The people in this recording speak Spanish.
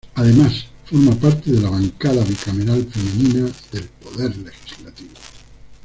Además, forma parte de la Bancada Bicameral Femenina del Poder Legislativo.